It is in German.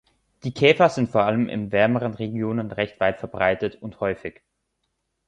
Die Käfer sind vor allem in wärmeren Regionen recht weit verbreitet und häufig.